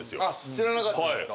知らなかったですか？